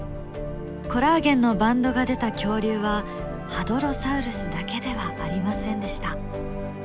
コラーゲンのバンドが出た恐竜はハドロサウルスだけではありませんでした。